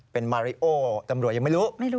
เป็นมาริโอตำรวจยังไม่รู้ไม่รู้